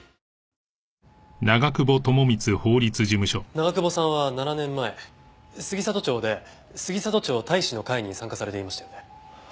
長久保さんは７年前杉里町で杉里町隊士の会に参加されていましたよね？